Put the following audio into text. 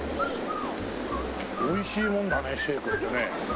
おいしいもんだねシェイクってね。